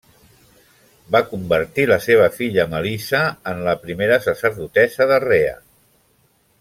Va convertir la seva filla Melissa en la primera sacerdotessa de Rea.